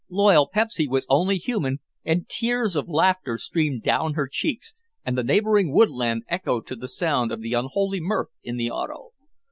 Loyal Pepsy was only human, and tears of laughter streamed down her cheeks, and the neighboring woodland echoed to the sound of the unholy mirth in the auto.